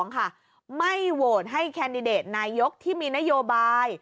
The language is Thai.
ไม่โหวตให้แคนดิเดตนายกที่มีนโยบาย